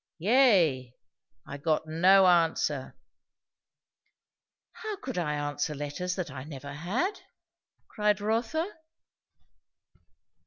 "Yea. I got no answer." "How could I answer letters that I never had?" cried Rotha.